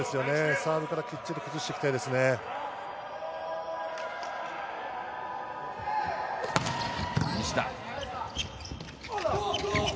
サーブからきっちり崩していきた西田。